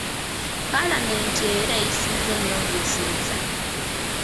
Paalamenti era eyisizza ennongoosereza.